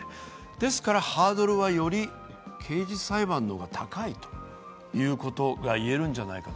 ですからハードルは、より刑事裁判の方が高いということが言えるんじゃないかと。